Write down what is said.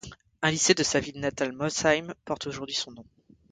Un lycée de sa ville natale Molsheim porte aujourd'hui son nom.